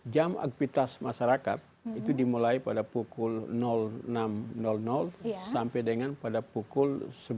jam aktivitas masyarakat itu dimulai pada pukul enam sampai dengan pada pukul sebelas